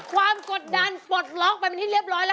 บดล็อกความกดดันบดล็อกไปเป็นที่เรียบร้อยแล้ว